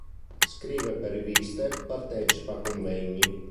Scrive per riviste, partecipa a convegni.